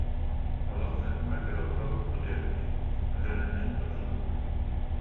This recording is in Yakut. Олох да гардеробка укпут эбиппин, Алена, эн, укпутуҥ дуо